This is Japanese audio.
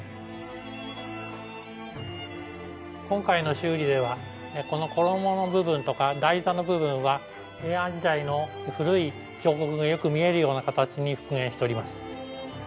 今回の修理ではこの衣の部分とか台座の部分は平安時代の古い彫刻がよく見えるような形に復元しております。